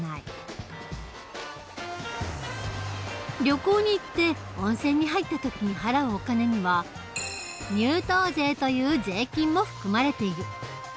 旅行に行って温泉に入った時に払うお金には入湯税という税金も含まれている。